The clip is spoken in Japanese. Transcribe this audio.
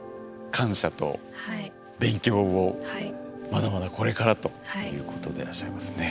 まだまだこれからということでらっしゃいますね。